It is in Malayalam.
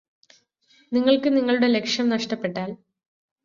നിങ്ങള്ക്ക് നിങ്ങളുടെ ലക്ഷ്യം നഷ്ടപ്പെട്ടാല്